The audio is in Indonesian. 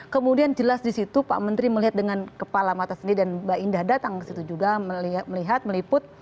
kemudian jelas di situ pak menteri melihat dengan kepala mata sendiri dan mbak indah datang ke situ juga melihat meliput